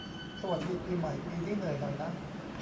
สวัสดีปีใหม่ ปีนี้เหนื่อยหน่อยนะ